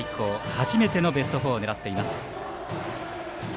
初めてのベスト４を狙っています。